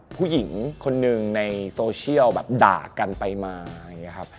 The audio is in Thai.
ผู้หญิงคนหนึ่งในโซเชียลด่ากันไปมา